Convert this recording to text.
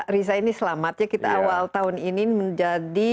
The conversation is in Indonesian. riza ini selamatnya kita awal tahun ini menjadi